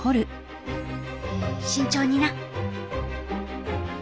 慎重にな。